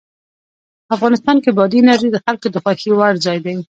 افغانستان کې بادي انرژي د خلکو د خوښې وړ ځای دی.